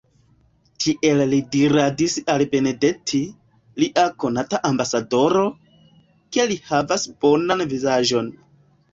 Tiel li diradis al Benedetti, lia konata ambasadoro, ke li havas bovan vizaĝon.